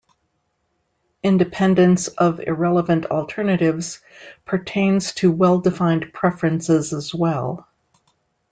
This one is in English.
Independence of irrelevant alternatives pertains to well-defined preferences as well.